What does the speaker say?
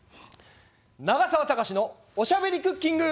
「永沢たかしのおしゃべりクッキング」！